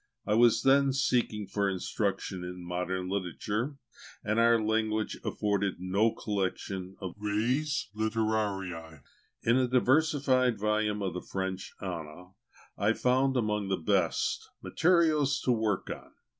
I was then seeking for instruction in modern literature; and our language afforded no collection of the res litterariæ. In the diversified volumes of the French Ana, I found, among the best, materials to work on.